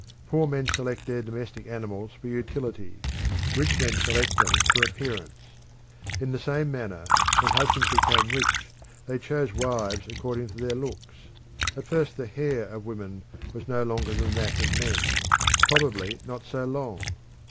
Poor men select their domestic animals for utility: rich men select them for appearance. In the same manner, when husbands became rich they chose wives according to their looks. At first the hair of women was no longer than that of men, probably not so long.